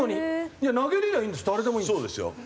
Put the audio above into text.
いや投げれりゃいいんです誰でもいいんです。